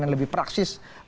yang lebih praksis